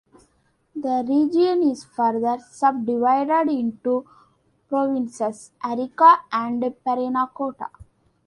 The region is further subdivided into two provinces: Arica and Parinacota.